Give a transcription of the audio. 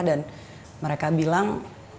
dan mereka bilang